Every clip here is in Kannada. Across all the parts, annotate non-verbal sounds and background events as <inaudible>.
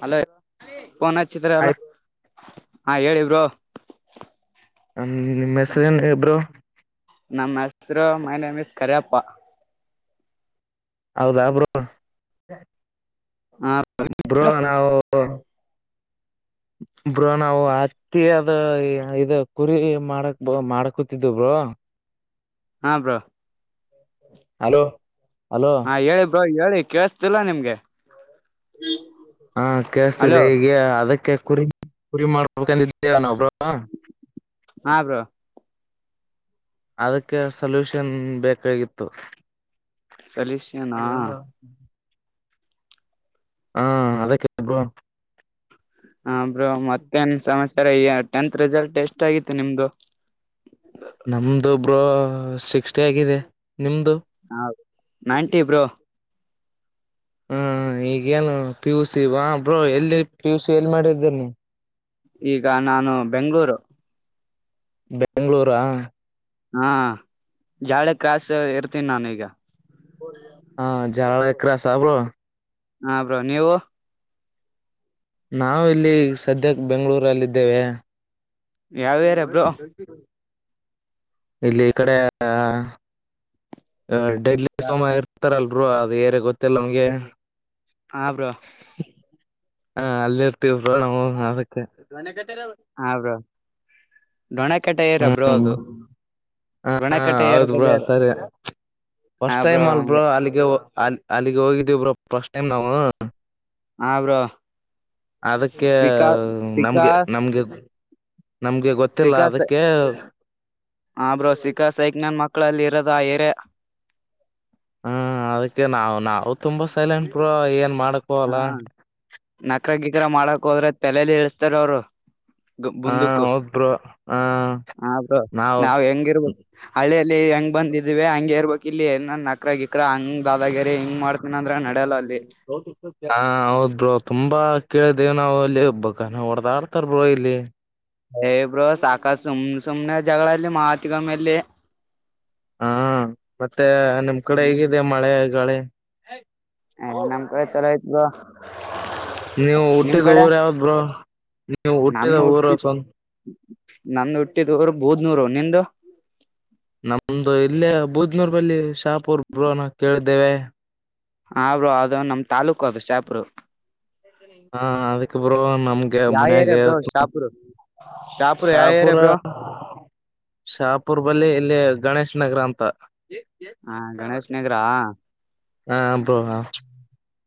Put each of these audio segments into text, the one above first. ಹಾಲೋ ಫೋನ್ ಹಚ್ಚಿದ್ರಿ ಅಲ್ಲ ಹಾ ಹೇಲಿ ಬ್ರೋ ನಿಮ್ಮ ಹೆಸರಿನ್ರಿ ಬ್ರೋ ನಮ್ಮ್ ಹೆಸರು ಮೈ ನೇಮ್ ಇಸ್ ಕರಿಯಪ್ಪ ಹೌದಾ ಬ್ರೋ ಹಾ ಬ್ರೋ ನಾವ್ ಬ್ರೋ ನಾವು ಅತ್ತಿ ಅದ ಇದ ಕುರಿ ಮಾಡಕ್ ಬ ಮಾಡಕೂತಿದ್ದ ಬ್ರೋ ಹಾ ಬ್ರೋ ಹಲೋ ಹಲೋ ಹಾ ಹೇಳಿ ಬ್ರೋ ಹೇಳಿ ಕೇಳಸ್ತಿಲ್ಲ ನಿಮ್ಗೆ ಹಾ ಹಲೋ ಕೇಳಸ್ತಿದೆ ಈಗೆ ಅದಕ್ಕೆ ಕುರಿ ಕುರಿ ಮಾಡ್ಬೇಕಂದಿದ ನಾವು ಬ್ರೋ ಹಾ ಬ್ರೋ ಅದಕ್ಕೆ ಸಲ್ಯೂಷನ್ ಬೇಕಾಗಿತ್ತು ಸಲ್ಯೂಷನ್ ನಾ ಹಾ ಅದಕ್ಕೆ ಬ್ರೋ ಹಾ ಬ್ರೋ ಮತ್ತೇನ್ ಸಮಸ್ಯೆ ಹೇ ಟೆಂತ್ ರಿಸಲ್ಟ್ ಎಷ್ಟ ಆಗಿತ್ತು ನಿಮ್ದು ನಮ್ದ ಒಬ್ರು ಸಿಕ್ಸ್ಟಿ ಆಗಿದೆ ನಿಮ್ದು ಹಾ ನೈಂಟಿ ಬ್ರೋ ಹಾ ಈಗೇಏನು ಪಿ ಯು ಸಿ ಬಾ ಬ್ರೋ ಎಲ್ಲಿ ಪಿ ಯು ಸಿ ಎಲ್ಲಿ ಮಾಡಿದ್ದೇರಿ ನೀ ಈಗ ನಾನು ಬೆಂಗಳೂರು ಬೆಂಗಳೂರ ಹಾ ಜಾಳೆ ಕ್ರಾಸ್ ಇರ್ತೀನಿ ನಾನ ಈಗ ಹಾ ಜರಳ ಕ್ರಾಸಾ ಬ್ರೋ ಹಾ ಬ್ರೋ ನೀವು ನಾವು ಇಲ್ಲಿ ಸದ್ಯಕ್ಕೆ ಬೆಂಗಳೂರಲ್ಲಿದ್ದೇವೆ ಯಾವ ಏರಿಯಾ ಬ್ರೋ <inaudible> ಇಲ್ಲಿ ಈ ಕಡೆ ಡೆೈಲಿ ಸಮಯ ಹತಾರಲ್ರು ಅದು ಏರ್ಯಾ ಗೊತ್ತಿಲ್ಲ ನಮ್ಗೆ ಹಾ ಬ್ರೋ ಹಾ ಅಲ್ಲಿ ಇರ್ತೀವಿ ಬ್ರೋ ನಾವು ಹಾ ಬ್ರೋ ಡೊಣೆಕಟೆ ಏರ ಬ್ರೋ ಹ್ಮ್ ಅದು ಹ ಡೊಣೆಕಟೆ ಹೌದ್ ಬ್ರೋ ಏರದಲ್ಲಿ ಸರಿ ಹ ಫಸ್ಟ್ ಬ್ರೋ ಟೈಮ್ ಅಲ್ ಹಂಗೆ ಅಲ್ಲಿಗೆ ಅಲ್ಲಿಗೆ ಹೋಗಿದ್ದಿವಿ ಬ್ರೋ ಫಸ್ಟ್ ಟೈಮ್ ನಾವು ಹಾ ಬ್ರೋ ಅದಕ್ಕೆ ಸಿಕಾ ನಮ್ಗೆ ನಮ್ಗೆ ನಮ್ಗೆ ಗೊತ್ತಿಲ್ಲ ಶಿಕ ಸ ಅದಕ್ಕೆ ಹಾ ಬ್ರೋ ಸಿಕಾ ಸೈಕ್ ನನ್ ಮ ಳಲ್ಲಿರದ ಆ ಏರಿಯಾ ಹ್ಮ ಅದಕ್ಕೆ ನಾ್ ನಾವ ತುಂಬಾ ಸೈಲೆಂಟ್ ಬ್ರೋ ಏನ್ ಮಾಡಕ್ ಹ್ಮ ಹೋಗಲ್ಲ ನಕರಾ ಗಿಕರಾ ಮಾಡಕ್ ಹೋದ್ರ ತಲೆಯಲ್ಲಿ ಹೇಳೇಸ್ತಾರ ಅವ್ರು ಹಾ ಮುಂದಕ್ಕು ಹೌದ್ ಬ್ರೋ ಹ ಹಾ ಬ್ರೋ ನಾವು ನಾವ್ ಹೆಂಗಿರ್ಬೇಕು ಹಳ್ಳಿಯಲ್ಲಿ ಹೆಂಗ ಬಂದಿದ ಇದಿವೇ ಹಂಗೆ ಇರ್ಬೇಕ್ ಇಲ್ಲಿ ಏನ್ ನಕ್ರಾ ಗಿಕ್ರಾ ಕ್ರ ಹಂಗ್ ದಾದಾಗಿರಿ ಹಿಂಗ್ ಮಾಡ್ತನ ಅಂದ್ರ ನಡ್ಯಲ್ಲ ಅಲ್ಲಿ ಹಾ ಹೌದ್ ಬ್ರೋ ತುಂಬ ಬಾ ಕೇಳ್ದೇವ್ ನಾವ ಅಲ್ಲಿಬ್ಬ ನ ಹೊಡದಾಡ್ತಾರ ಬ್ರೋ ಇಲ್ಲಿ ಏ ಬ್ರೋ ಸಾಕ ಸುಮ್ನೆ ಸುಮ್ನೆ ಜಗಳಲ್ಲಿ ಮಾತಿಗೊಮ್ಮೆ ಅಲ್ಲಿ ಹಾ ಮತ್ತೆ ನಿಮ್ ಕಡೆ ಹೇಗಿದೆ ಮಳೆ ಗಾಳಿ <unintelligible> ನಮ್ಕಡೆ ಚುಲೋ ಅಯ್ತ ಬ್ರೋ ನೀವು ನಿಮ್ ಹುಟ್ಟಿದ ಕಡೆ ಊರ ಯಾವ್ದ ಬ್ರೋ ನೀವು ಹುಟ್ಟಿದ ಊರ ಸ್ವಂ ನನ್ನ ಹುಟ್ಟಿದರು ಬೂದ್ನೂರು, ನಿಂದು ನಮ್ದು ಇಲ್ಲೇ ಬುದ್ ನೂರ್ ಬಲ್ಲಿ ಶಾಪೂರ್ ಬ್ರೊ ನಾವ್ ಕೇಳ್ದೇವೆ ಹಾ ಅದು ನಮ್ ತಾಲ್ಲೂಕು ಅದು ಶಾಪುರು ಹಾ ಅದಕಬ್ರು ನಮ್ಗೆ ಯಾವ ಏರಿಯಾ ಮನ್ಯಾಗ ಬ್ರೋ ಶಾಪುರ್ ಶಾಪುರ್ ಯಾವ ಶಾಹಪುರ ಏರಿಯಾ ಬ್ರೋ ಶಾಪುರ್ ಬಲ್ಲಿ ಇಲ್ಲಿ ಗಣೇಶ್ ನಗರ ಅಂತ ಈ ಹಾ ಗಣೇಶ್ ನಗರಾ ಹಾ ಬ್ರೋ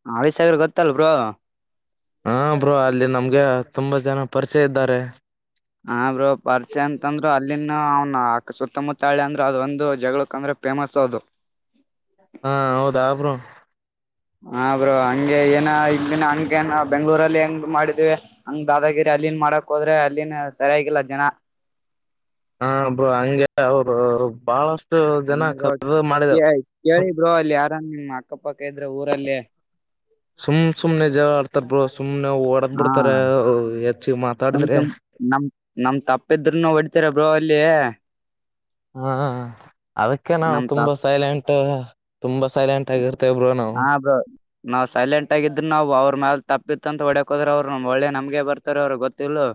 ಹಾ ಹಳೆ ಸಾಗರ್ ಗೊತ್ತಲ್ ಬೋ ಹಾ ಬ್ರೋ ಅಲ್ಲಿ ನಮ್ಗೆ ತುಂಬಾ ಜನ ಪರಿಚಯ ಇದ್ದಾರೆ ಹಾ ಬ್ರೋ ಪರ್ಚೆ ಅಂತಂದ್ರು ಅಲ್ಲಿ ಇಲ್ಲಿ ಅವನ ಸುತ್ತಮುತ್ತಾಳಿ ಅಂದ್ರೆ ಅದ ಒಂದು ಜಗಳಕ್ ಅಂದ್ರೆ ಫೇಮಸ್ ಅದು ಹಾ ಹೌದಾ ಬ್ರೋ ಹಾ ಬ್ರೋ ಹಂಗೆ ಏನ ಇಲ್ಲಿ ಹಗೆನ್ ಬೆಂಗ್ಳೂರಲ್ಲಿ ಹೆಂಗ್ ಮಾಡಿದಿವವಿ ಹಂಗ ದಾದಾಗಿರಿ ಅಲ್ಲಿನ್ ಮಾಡಕ್ ಹೋದ್ರೆ ಅಲ್ಲಿನ್ ಸರಿಯಾಗಿಲ್ಲ ಜನ ಹಾ ಬ್ರೋ ಹಂಗೆ ಅವರು ಬಾಳ ಹಾ ಬ್ರೋ ಕೇಳಿ ಸುಮ್ ಬ್ರೋ ಅಲ್ಲಿ ಯ ನಿಮ್ಮ ಅಕ್ಕಪಕ್ಕ ಇದ್ರೆ ಊರಲ್ಲೇ ಸುಮ್ ಸುಮ್ನೆ ಜಗಳ ಆಡ್ತಾರ ಬ್ರೋ ಸುಮ್ನೆ ಹೊಡದ ಹಾ ಬಿಡ್ತಾರ ಹೆಚ್ಚ ಸುಮ್ ಮಾತಾಡಿದ್ರಿ ಸುಮ್ ನಮ್ ಇಲ್ಲ ಹಾ ಅದಕ್ಕೆ ನಾವು ನಮ್ ತುಂಬಾ ತಪ್ಪ ಸೈಲೆಂಟ್ ತುಂಬಾ ಸೈಲೆಂಟ್ ಆಗಿರ್ತೇವೇ ಬ್ರೋ ನಾವು ಹಾ ಬ್ರೋ ನಾವ್ ಸೈಲೆಂಟ್ ಆಗಿದ್ರ ನಾವು ಅವ್ರ ಮ್ಯಾಲ ತಪ್ಪಿತ್ತ ಅಂತ ಹೊಡಿಯಕ್ಕೆ ಹೋದ್ರೆ ಅವರುನು ಒಳ್ಳೆ ನಮ್ಗೆ ಬರ್ತಾರ ಅವರು ಗೊತ್ತಿಲು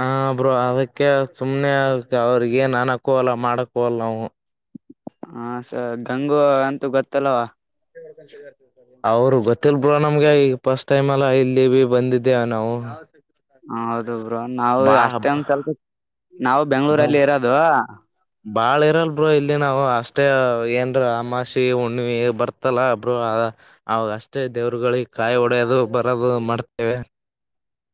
ಹಾ ಬ್ರೋ ಅದಕ್ಕೆ ಸುಮ್ನೆ ಅವ್ರಗ ಏನ್ ಅನಕಲ್ಲ ಮಾಡಕ ಅಲ್ಲ ನಾವು ಹಾ ಗಂಗು ಅಂತೂ ಗೊತ್ತಲ್ಲವಾ ಅವರು ಗೊತ್ತಿಲ್ಲ ಬ್ರೋ ನಮ್ಗೆ ಈ ಫಸ್ಟ್ ಟೈಮ್ ಅಲ್ಲ ಇಲ್ಲಿ ಬಂದಿದ್ದೇ ನಾವು ಹಾ ಬ್ರೋ ನಾವು ಬಾ ಅಷ್ಟೇ ಒಂದ್ ಸ್ವಲ್ಪ ನಾವು ಬಾ ಬೆಂಗ್ಳೂರಲ್ಲಿ ಇರೋದು ಬಾಳ ಇರಲ್ ಬ್ರೋ ಇಲ್ಲಿ ನಾವು ಅಷ್ಟೇ ಏನ್ರ ಅಮಾಷಿ ಹುಣಿಮೆ ಬರ್ತಲ್ಲ ಬ್ರೋ ಅವಾಗ ಅಷ್ಟೇ ದೇವ್ರಗಳಿಗೆ ಕಾಯಿ ಹೊಡ್ಯದು ಬರೋದು ಮಾಡ್ತೇವೆ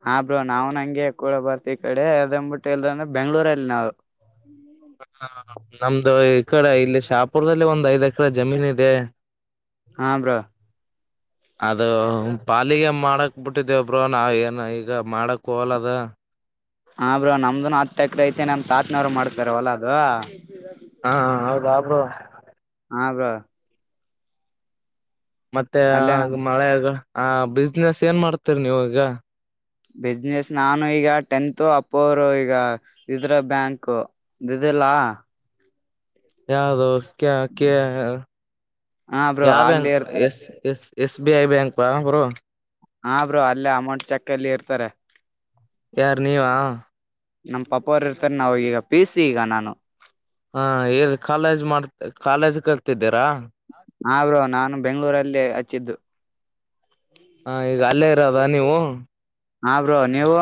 ಹಾ ಬ್ರೋ ನಾವ್ ಹಂಗೆ ಕೂಡ ಬರ್ತಿ ಈ ಕಡೆ ಅದಬಿಟ್ಟ ಇಲ್ದ ಅಂದ್ರೆ ಬೆಂಗ್ಳೂರಲ್ಲಿ ನಾವು ನಮ್ದು ಈ ಕಡೆ ಇಲ್ಲಿ ಶಾಪುರದಲ್ಲಿ ಒಂದ್ ಐದ ಎಕರೆ ಜಮೀನ್ ಇದೆ ಹಾ ಬ್ರೋ ಅದು ಪಾಲಿಗೆ ಮಾಡಕ್ ಬಿಟ್ಟಿದೇವಬ್ರೋ ನಾವ್ ಏನ್ ಈಗ ಮಾಡಕ್ ಹೋಗಲಾ ಅದು ಹಾ ಬ್ರೋ ನಮ್ದನ ಹತ್ತ ಎಕ್ರ ಐತೆನ ನಮ್ ತಾತನವ್ರು ಮಾಡ್ತಾರ ಹೊಲ ಅದು ಹಾ ಹೌದಾ ಬ್ರೋ ಹಾ ಬ್ರೋ ಮತ್ತೆ ಆ ಅಲ್ಲೇ ನಮ್ ಮಳೆ ಆ ಬಿಸ್ನೆಸ್ ಏನ್ ಮಾಡ್ತೀರಿ ನೀವು ಈಗ ಬಿಸ್ನೆೆಸ್ ನಾನು ಈಗ ಟೆಂತ್ ಅಪ್ಪ ಅವರು ಈಗ ಇದ್ರ ಬ್ಯಾಂಕ್ ಇದಿದ್ದಿಲ್ಲಾ ಯಾವವುದು ಕೆ ಹಾ ಬ್ರೋ ಯಾವ ಅಲ್ಲಿ ಬ್ಯಾಂಕ್ ಇರ್ತಾರ S S S B I bank ಹಾ ಬ್ರೋ ಹಾ ಬ್ರೋ ಅಲ್ಲೇ ಅಮೌಂಟ್ ಚೆಕ್ ಅಲ್ಲಿ ಇರ್ತಾರೆ ಯಾರ ನೀವಾ ನಮ್ ಪಾಪ ಅವರು ಇರ್ತಾರೆ ನಾವ ಈಗ ಪೀಸ ಈಗ ನಾನು ಹಾ ಲ್ಲಿ ಕಾಲೇಜ್ ಮಾಡ ಕಾಲೇಜ್ ಕತಿದ್ದೀರಾ ನರು ನಾನು ಬೆಂಗ್ಳೂರಲ್ಲಿ ಹಚ್ಚಿದ್ದು ಹಾ ಈಗ ಅಲ್ಲೇ ಇರೋದ ನೀವು ಹ್ಮ ಹಾ ಬ್ರೋ ನೀವು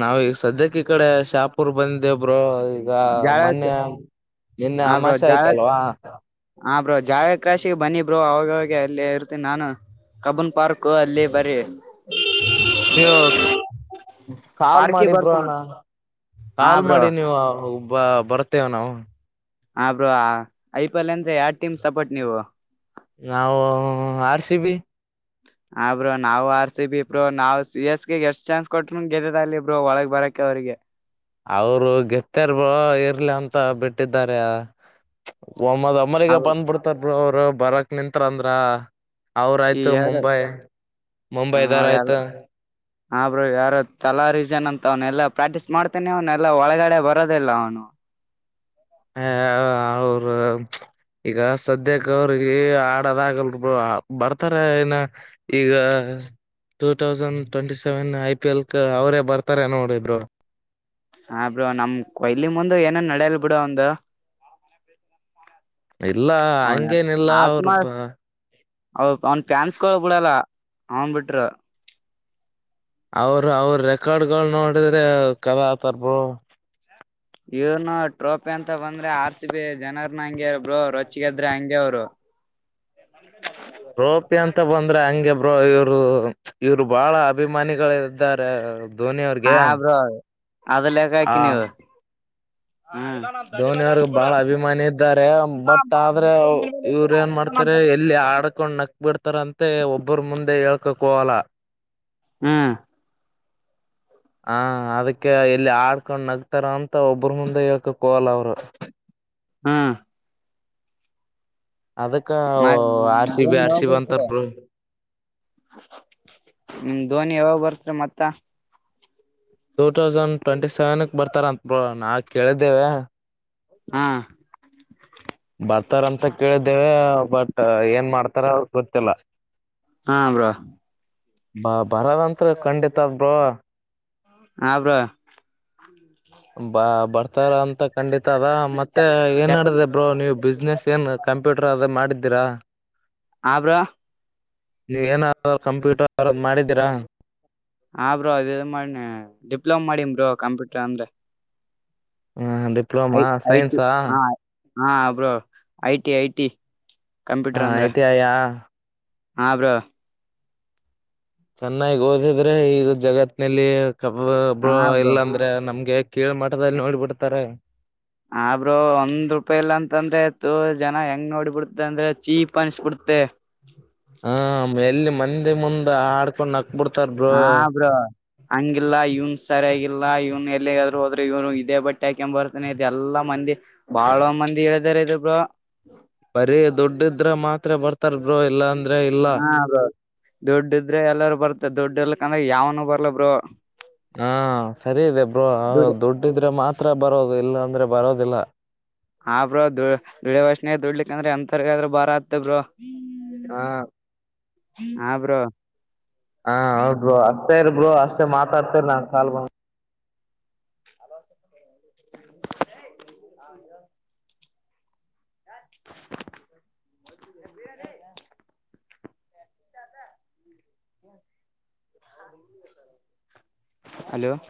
ನಾವ ಈಗ ಸದ್ಯಕ್ಕೆ ಈ ಕಡೆ ಶಾಪುರ್ ಬಂದೆ ಒಬರು ಈಗ ಜಾಳ ಮೊನ್ನೆ ನಿನ್ನೆ ಹಾ ಅಮಾಷ ಆಯ್ತಲ್ವಾ ಜಾಗ ಕ್ರಾಶಿಗೆ ಬನ್ನಿಬರು ಅವಾಗವಾಗ ಅಲ್ಲಿ ಇರ್ತೀನಿ ನಾನು ಕಬೂನ್ ಪಾರ್ಕ್ ಅಲ್ಲಿ ಬರೀ ನೀ ಕಾಲ್ ಪಾರ್ಕಿ ಮಾಡಿ ಬರ್ತ ಬ್ರೋಣ ಹಾ ಕಾಲ್ ಬ್ರೋ ಮಾಡಿ ನೀವು ಬರುತ್ತೇವೆ ನಾವು ಹ ಬ್ರೋ ಐ ಪಿ ಎಲ್ ಅಂದ್ರೆ ಯಾರ್ ಟೀಮ್ ಸಪೋರ್ಟ್ ನೀವು ಕಸಿ ಬಿ ಹ ಬ್ರೋ ನಾವ್ ಆರ್ ಸಿ ಬಿ ಇಬ್ರರು ನಾವ್ ಸಿ ಎಸ್ ಗ್ ಎಷ್ಟ್ ಚಾನ್ಸ್ ಕೊಟ್ರರು ಗೆದದಲ್ಲಿ ಇ ಬ್ರೋ ಒಳಗ್ ಬರಕ ಅವ್ರಿಗೆ ಅವರು ಗೆತ್ತರ್ ಬ ಇರ್ಲಿ ಅಂತ ಬಿಟ್ಟಾರ ಒಮ್ಮದ ಅಮ್ಮನಿಗೆ ಅವರು ಬಂದ್ಬಿಡ್ತಾರೆ ಒ್ರ ಅವರು ಬರಕ್ ನಿತ್ರಂದ್ರ ಅವ್ರ ಈ ಆಯ್ತು ಯಾರ ಮುಂಬೈ ಮುಂಬೈದಾರ ಅವ್ರ ಯಾರು ಆಯ್ತು ಹಾ ಬ್ರರು ಯಾರು ತಲಾ ರೀಸನ್ ಅಂತ ಅವನೆ ಎಲ್ಲಾ ಪ್ರಾಕ್ಟೀಸ್ ಮಾಡ್ತೇಾನಿ ಅವನ್ ಎಲ್ಲಾ ಒಳಗಡೆ ಬರೋದಿಲ್ಲ ಅವನು ಹ ಅವರು ಈಗ ಸದ್ಯಕ್ಕೆ ಅವ್ರಿಗೆ ಆಡೋದ ಆಗಲ್ರು ಬರ್ತಾರ ಏನ ಈಗ two thousand twenty seven I P L ಅವರೇ ಬರ್ತಾರ ನೋಡಿದ್ರು ಹ ಬಿ್ರ ನಮ್ ಇಲ್ಲಿ ಮುಂದೆ ಏನನ್ ನಡಲ್ ಬಿಡ ಒಂದು ಇಲ್ಲ ಹಂಗೇನಿಲ್ಲ ಅವ್ರಬ ಹೌದದು ಅವ್ನ್ ಪ್ಯಾನ್ಸ್ಕ ಬಿಡಲ್ಲ ಅವನ್ ಬಿಟ್ರ ಅವರು ಅವ್ರ ರೆಕಾರ್ಡ್ಗಳು ನೋಡಿದ್ರೆ ಕದಾತರ್ಬು ಇವ್ನು ಟ್ರೋಪಿ ಅಂತ ಬಂದ್ರೆ ಆರ್ ಸಿ ಬಿ ಜನರ ನ ಹಂಗೆ ಬ ರೊಚಿಗೆದ್ರೆ ಹಂಗೆ ಅವರು ಹಾ ರೋಪಿ ಅಂತ ಬಂದ್ರೆ ಹಂಗೆ ಬ್ರೋ ಇವ್ರು ಇವ್ರು ಬಾಳ ಅಭಿಮಾನಿಗಳ ಇದ್ದಾರೆ ಧೋನಿ ಹ ಅವ್ರಿಗೆ ಬ್ರೋ ಅದಲ್ಲಕ್ಕ ಹಾಕ ನೀವು ಹ್ಮ್ ಧೋನಿ ಅವ್ರಗ್ ಬಹಳ ಅಭಿಮಾನಿ ಇದ್ದಾರೆ ಬಟ್ ಆದ್ರೆ ಇವರು ಏನ್ ಮಾಡ್ತಾರೆ ಎಲ್ಲಿ ಆಡ್ಕೊಂಡ್ ನಕ್ ಬಿಡ್ತಾರ ಅಂತೆ ಒಬ್ಬ್ರ ಮುಂದೆ ಹೇಳ್ಕೊ ಕೋಲ ಹ್ಮ್ ಹ ಅದಕ್ಕೆ ಎಲ್ಲಿ ಆಡ್ಕೊಂಡ್ ನಗ್ತಾರ ಅಂತ ಮತ್ತ ಒಬ್ಬ್ರ ಮುಂದೆ ಹಕ ಕವಲ್ಲ ಅವರು ಹ್ಮ ಅದಕ್ಕ ನಿಮ್ R C B R C B ಅಂತಾರರು ಹ್ಮ ಧೋನಿ ಯಾವಾಗ ಬರ್ತ್ರ ಮತ್ತ ಟೂ ತೌಸಂಡ್ ಟ್ವೆಂಟಿ ಸೆವೆನ್ ಬರ್ತಾರ ಅಂತ ನಾ ಕೇಳಿದ್ದೇವೆ ಹಾ ಬರ್ತಾರಂತ ತರ ಗೊತ್ತಿಲ್ಲ ಹಾ ಬ್ರೋ ಬಾ ಬರದಂತು ಖಂಡಿತ ಬ್ರೋ ಹಬ್ರೋ ಬ ಬರ್ತಾರ ಅಂತ ಕಂಡಿತ ದ ಮತ್ತೆ ಏನ್ ನಡಡಿದೆ ನೀವು ಬಿ ಬಿಸ್ನೆಸ್ ಏನ್ ಕಂಪ್ಯೂಟರ್ ಅದ ಮಾಡಿದ್ದೀರಾ ಹ ಬ್ರೋ ನೀವು ಏನಾದ್ರೂ ಕಂಪ್ಯೂಟರ್ ಅತರದ್ದು ಮಾಡಿದ್ದೀರಾ ಹಾ ಬ್ರೋ ಅದ ಮಾಡನೆ ಡಿಪ್ಲೊಮ ಮಾಡಿನ್ ಬ್ರೋ ಕಂಪ್ಯೂಟರ್ ಅಂದ್ರೆ ಹಾ ಐ ಡಿಪ್ಲೊಮಾ ಐ ಟಿ ಸೈನ್ಸಾ ಹಾ ಹಾ ಬ್ರೋ ಐಟಿ ಐಟಿ ಹಾ ಐತ ಅಯಾ ಹಾ ಬ್ರೋ ಚೆನ್ನಾಗಿ ಓದಿದ್ರೆ ಈಗ ಜಗತ್ ನಲ್ಲಿ ಕಬ್ಬ ಒಬ್ ಹಾ ಬ್ರೋ ಇಲ್ಲಾ ಅಂದ್ರೆ ನಮ್ಗೆ ಕೀರಿ ಮಠದಲ್ಲಿ ನೋಡಿಬಿಡ್ತಾರೆ ಆಬ್ರರು ಒಂದ್ ರೂಪಾಯಿ ಇಲ್ಲಾ ಅಂತಂದ್ರೆ ತ ಜನ ಹೆಂಗ್ ನೋಡಿಬಿಡ್ತ ಅಂದ್ರೆ ಚೀಪ್ ಅನ್ಸ್ಬಿಡ್ತೆೆ ಮುಂದೆ ಆಡ್ಕೊಂಡ್ ಬಿಡ್ತಾರ್ ಬ್ರೋ ಹಂಗಿಲ್ಲಾ ಇವನ್ ಸರಿಯಾಗಿಲ್ಲಾ ಇವ್ನ್ ಎಲ್ಲಿಗಾದ್ರು ಹೋದ್ರೆ ಇವ್ನ್ ಇದೇ ಬಟ್ಟೆ ಹಾಕ ಬರ್ತಾನೆ ಇ ಎಲ್ಲಾ ಮಂದಿ ಬಾಳ ಮಂದಿ ಹೇಳಿದಾರ ಬ್ರೋ ಬರಿ ದುಡ್ಡಿದ್ರೆ ಮಾತ್ರ ಬರ್ತಾರ್ ಬ್ರೋ ಇಲ್ಲಾಂದ್ರೆ ಹಾ ಅದೇ ದುಡ್ಡ ಇದ್ರೆ ಎಲ್ಲಾರ ಬರ್ತ ದುಡ್ ಇರ್ಲಕ್ಕಂದ್ರೆ ಯಾವನು ಬರ್ಲಾ ಬ್ರೋ ಹಾ ಸರಿ ಇದೆ ಬ್ರೋ ದುಡ್ ದುಡ್ಡಿದ್ರೆ ಮಾತ್ರ ಬರೋದು ಇಲ್ಲ ಅಂದ್ರೆ ಬರೋದಿಲ್ಲ ಆ ಬ್ರೋ ದುಡಿಯ ವಾಸನೆೇ ದುಡ್ಲಿಕ್ ಅಂದ್ರೆ ಅಂತರ್ಗಾದ್ರರು ಭಾರತ್ ಹ ಹಾ ಬ್ರೋ ಹೌದು ಅಪ್ಪರ್ ಗೂ ಮಾತಾಡ್ತರಲ್ಲ ಕಲ್ <inaudible> <inaudible> ಹಲೋ <inaudible>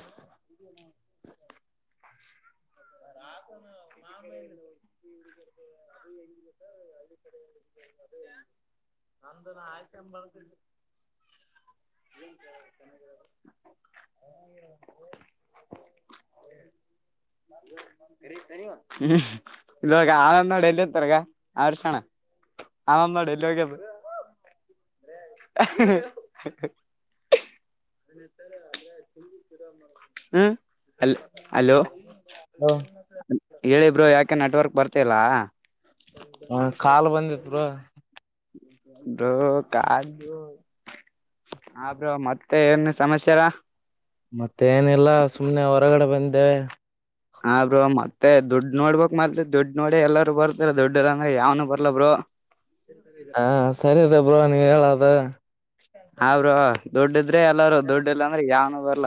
ಆ <unintelligible> ಹ್ಮ ಹಾಳು ಮಾಡು ಎಲ್ಲಿ ತರ ಇವಾಗ ಅ ಣ ಆಳುಮಾಡಿ ಎಲ್ಲಿ ಹೋಗೋದು <inaudible> ಹ್ಮ ಅಲೋ ಹಾ ಹೇಳಿಬ್ರು ಯಾಕೆ ನೆಟ್ವರ್ಕ್ ಬರ್ತಲ್ಲ ಹ ಕಾಲು ಬಂದತ್ ಬ್ರೋ ಬ್ರೋ ಕ ಆಬ್ರೋ ಮತ್ತೆ ಏನ್ ಸಮಸ್ಯಾರ ಮತ್ತೆ ಏನಿಲ್ಲ ಸುಮ್ನೆ ಹೊರಗಡೆ ಬಂದೆ ಹ ಬ್ರರು ಮತ್ತೆ ದುಡ್ ನೋಡ್ಬೇಕಕ್ ಮತ ದುಡ್ ನೋಡಿ ಎಲ್ಲಾರೂ ಬರ್ತಾರ ದುಡ್ಡಂದ್ರೆ ಯಾವ್ನು ಬರ್ಲ ಬ್ರೋ ಹಾ ಸರಿ ಅ ಬ್ರೋ ಹೇಳಾದ ಹಾ ಬ್ರೋ ಆದ್ರೆ ಎಲ್ಲರೂ ಡ್ಡಲ್ಲ ಅಂದ್ರೆ ಯಾವ ಬರ್ಲ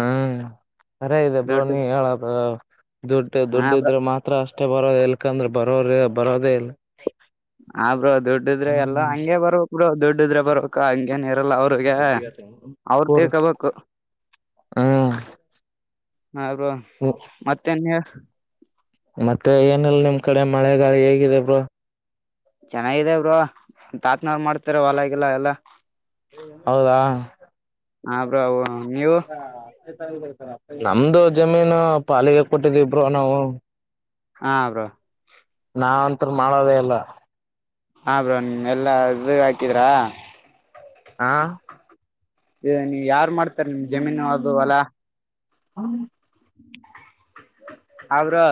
ಹ್ಮ ಅರೇ ಇದೆ ಬ್ರೋ ದುಡ್ಡು ನೀ ಹೇಳದ ದುಡ್ಡು ಹಾ ದುಡ್ಡು ಬ್ರೋ ಇದ್ರೆ ಮಾತ್ರ ಅಷ್ಟೇ ಬರೋದ ಎಲ್ಕಂದ್ರ ಬರೋರ ಬರೋದ ಆ ಬ್ರೋ ದುಡ್ಡಿದ್ರೆ ಎಲ್ಲಾ ಹಂಗೆ ಬರ್ ಬರ್ಬೇಕು ಬಿಡು <inaudible> ಏನ ಇರಲ್ಲ ಅವ್ರಿಗೆ ಅವರು ಕೂರು ತಕೊಬೇಕುರು ಹ್ಮ ಮತ್ತೇನ್ <inaudible> ಮತ್ತೆ ಏನಲ್ ನಿಮ್ ಕಡೆ ಮಳೆಗಾಲ ಹೇಗಿದೆ ಬ್ರ ಚೆನ್ನಾಗಿದೆ ಬ್ರ ತಾತ್ನಾಳ್ ಮಾಡ್ತಾರ ಹೊಲಾಗಿಲ್ಲ ಎಲ್ಲ ಹೌದಾ <inaudible> ಹಾ ಬ್ರೋ ನೀವು <unintelligible> ನಮ್ದು ಜಮೀನು ಪಾಲಿಗೆ ಕೊಟ್ಟಿದ್ದಿಬ್ರೋ ನಾವು ಹಾ ಬ್ರೋ ನಾವಂತ ಮಾಡದೇ ಎಲ್ಲ. <inaudible> ಹಾ ಬ್ರೋ ಎಲ್ಲಾ ಇದ ಹಾಕಿದ್ರ ಹಾ <inaudible> ನೀ ಯಾರ ಮಾಡ <unintelligible> ನಿಮ್ ಜಮೀನು ಅದು ಅಲ್ಲಾ ಹ್ಮ <inaudible> ಅವ್ರ